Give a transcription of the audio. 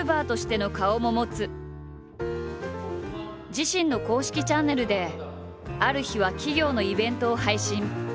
自身の公式チャンネルである日は企業のイベントを配信。